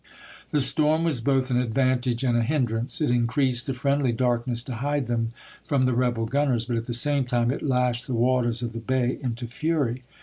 The storm was both an advantage and a hindrance ; it increased the friendly darkness to hide them from the rebel gunners, but at the same time it lashed the waters of the bay into fury.